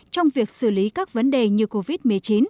trong việc xử lý các vấn đề như covid một mươi chín